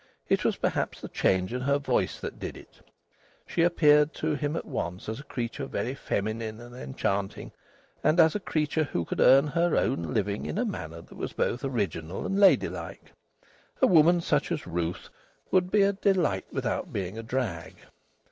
It was perhaps the change in her voice that did it. She appeared to him at once as a creature very feminine and enchanting, and as a creature who could earn her own living in a manner that was both original and ladylike. A woman such as Ruth would be a delight without being a drag.